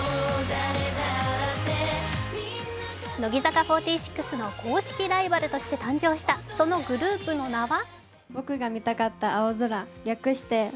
乃木坂４６の公式ライバルとして誕生したそのグループの名は？